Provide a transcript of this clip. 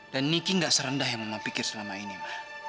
dan niki gak serendah yang mama pikir selama ini ma